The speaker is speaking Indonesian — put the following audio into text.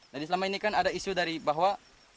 jadi selama ini kan ada isu dari bahwa